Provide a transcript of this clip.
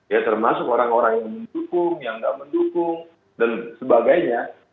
ya termasuk orang orang yang mendukung yang tidak mendukung dan sebagainya